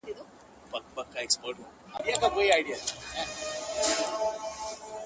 د رندانو له مستۍ به مځکه رېږدي!!